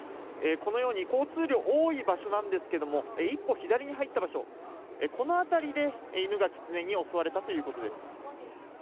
このように交通量、多い場所なんですけど、一歩左に入った場所、この辺りで犬がキツネに襲われたということです。